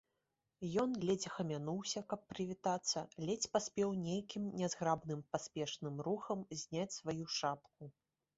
Ён ледзь ахамянуўся, каб прывітацца, ледзь паспеў нейкім нязграбным паспешным рухам зняць сваю шапку.